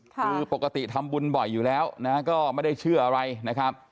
คือปกติทำบุญบ่อยอยู่แล้วนะก็ไม่ได้เชื่ออะไรนะครับ